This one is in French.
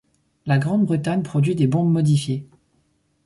La Grande-Bretagne produit des bombes modifiées.